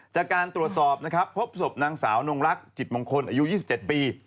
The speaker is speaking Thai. จากการตรวจสอบนะครับพบศพนางสาวนงรักจิตมงคลอายุ๒๗ปี